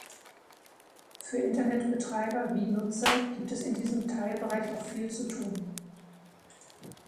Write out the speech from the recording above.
Für Internetbetreiber wie Nutzer gibt es in diesem Teilbereich noch viel zu tun.